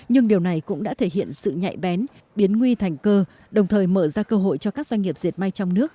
nhưng điều này cũng đã thể hiện sự nhạy bén biến nguy thành cơ đồng thời mở ra cơ hội cho các doanh nghiệp diệt may trong nước